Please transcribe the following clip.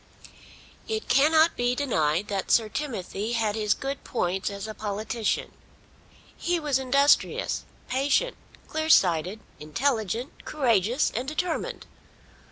It cannot be denied that Sir Timothy had his good points as a politician. He was industrious, patient, clear sighted, intelligent, courageous, and determined.